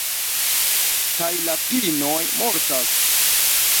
Kaj la pinoj mortas.